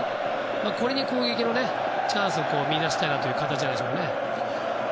これに攻撃のチャンスを見いだしたいなという感じじゃないでしょうかね。